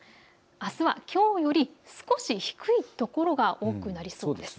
あすはきょうより少し低い所が多くなりそうです。